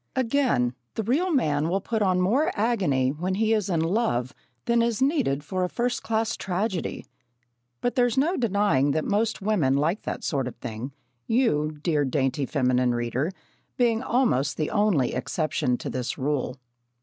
Again, the real man will put on more agony when he is in love than is needed for a first class tragedy. But there's no denying that most women like that sort of thing, you, dear dainty feminine reader, being almost the only exception to this rule.